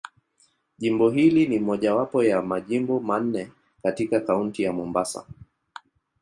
Jimbo hili ni mojawapo ya Majimbo manne katika Kaunti ya Mombasa.